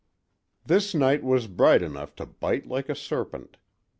This night was bright enough to bite like a serpent.